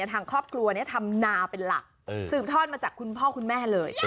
ทางครอบครัวนี้ทำนาเป็นหลักสืบทอดมาจากคุณพ่อคุณแม่เลย